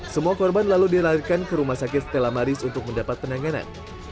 semua korban lalu dilarikan ke rumah sakit stella maris untuk mendapat penanganan